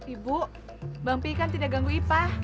ibu bang pi kan tidak ganggu ipah